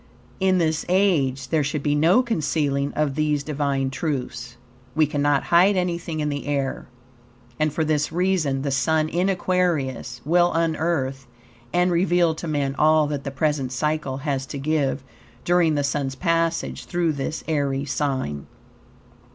In this age there should be no concealing of these Divine truths. We cannot hide anything in the air, and for this reason the Sun in Aquarius will unearth and reveal to man all that the present cycle has to give during the Sun's passage through this airy sign.